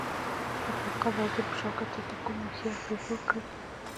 د خپل قام رنځور په شاکه ته ته کوم هوښیار پیغور کړي.